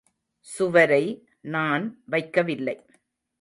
சுவரை நான் வைக்கவில்லை.